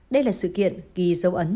đây là sự kiện kỳ dấu ấn